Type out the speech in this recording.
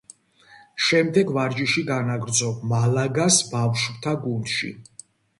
შემდეგ ვარჯიში განაგრძო „მალაგას“ ბავშვთა გუნდში.